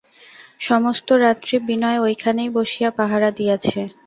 সমস্ত রাত্রি বিনয় ঐখানেই বসিয়া পাহারা দিয়াছে!